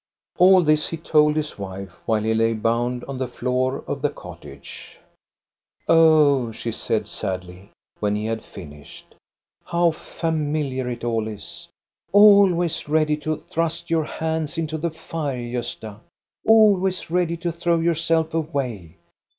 All this he told his wife, while he lay bound on the floor of the cottage. " Oh/' she said sadly, when he had finished, " how familiar it all is ! Always ready to thrust your hands into the fire, Gosta, always ready to throw yourself away